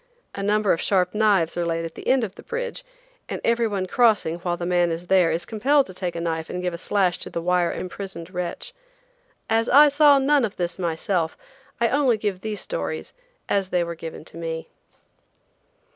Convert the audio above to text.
A number of sharp knives are laid at the end of the bridge, and every one crossing while the man is there is compelled to take a knife and give a slash to the wire imprisoned wretch. As I saw none of this myself, I only give these stories as they were given to me.